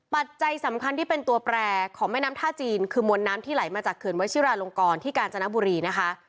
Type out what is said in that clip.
ปัจจัยสำคัญที่เป็นตัวแปรของแม่น้ำท่าจีนคือมวลน้ำที่ไหลมาจากเขื่อนวัชิราลงกรที่กาญจนบุรีนะคะ